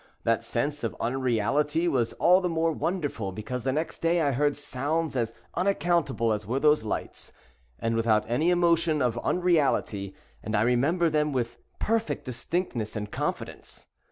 That sense of unreality was all the more wonderful because the next day I heard sounds as unaccountable as were those lights, and without any emotion of unreality, and I remember them with perfect distinctness and confidence.